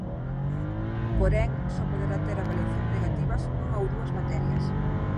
Porén, só poderá ter avaliacións negativas nunha ou dúas materias.